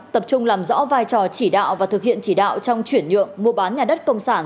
tập trung làm rõ vai trò chỉ đạo và thực hiện chỉ đạo trong chuyển nhượng mua bán nhà đất công sản